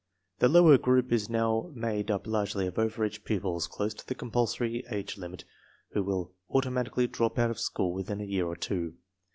The lower group is now made up largely of over age pupils close to the compulsory age limit who will automatically drop out of school within a year or two.